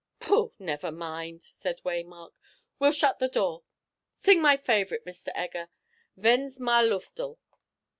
"Pooh, never mind," said Waymark. "We'll shut the door. Sing my favourite, Mr. Egger, 'Wenn's Mailufterl.'"